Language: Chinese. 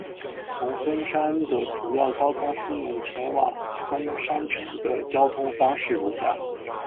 从松山的主要交通枢纽前往松山城的交通方式如下。